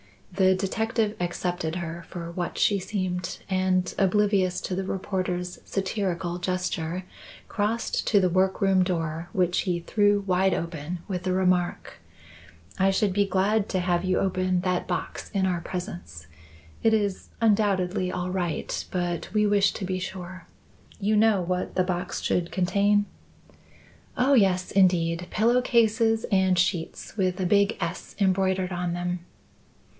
The detective accepted her for what she seemed and, oblivious to the reporter's satirical gesture, crossed to the work room door, which he threw wide open with the remark: "I should be glad to have you open that box in our presence. It is undoubtedly all right, but we wish to be sure. You know what the box should contain?" "Oh, yes, indeed; pillow cases and sheets, with a big S embroidered on them."